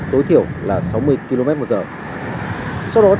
tối thiểu là sáu mươi km một giờ